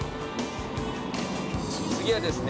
次はですね